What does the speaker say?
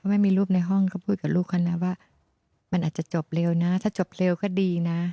ไม่มีรูปในห้องก็พูดกับลูกเขานะว่ามันอาจจะจบเร็วนะถ้าจบเร็วก็ดีนะ